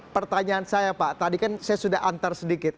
pertanyaan saya pak tadi kan saya sudah antar sedikit